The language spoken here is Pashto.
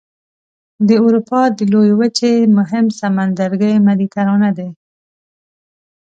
د اروپا د لویې وچې مهم سمندرګی مدیترانه دی.